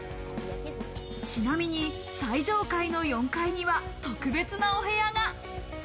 ちなみに最上階の４階には特別なお部屋が。